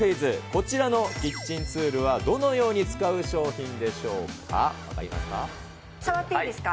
こちらのキッチンツールはどのように使う商品でしょうか、分かり触っていいですか？